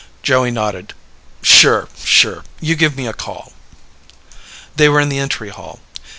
Joey nodded. "Sure, sure. You give me a call." They were in the entry hall.